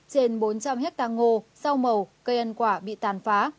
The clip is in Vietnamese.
trên bốn trăm linh hectare ngô sao màu cây ăn quả bị tàn phá